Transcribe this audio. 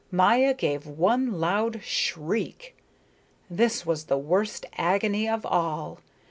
Maya gave one loud shriek. This was the worst agony of all.